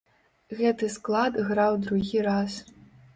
Гэты склад граў другі раз.